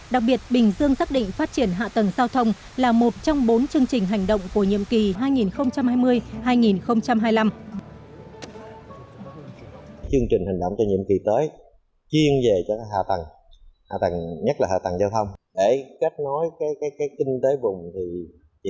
đặc biệt bình dương xác định phát triển hạ tầng giao thông là một trong bốn chương trình hành động